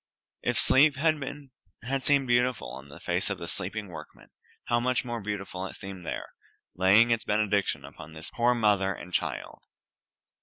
If sleep had seemed beautiful on the face of the sleeping workman, how much more beautiful it seemed here, laying its benediction upon this poor mother and child.